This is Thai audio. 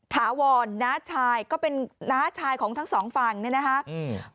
ถาวรน้าชายก็เป็นน้าชายของทั้งสองฝั่งเนี่ยนะคะอืม